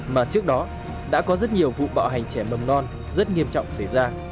mà trước đó đã có rất nhiều vụ bạo hành trẻ mầm non rất nghiêm trọng xảy ra